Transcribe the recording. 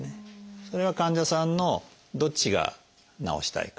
それは患者さんのどっちが治したいか。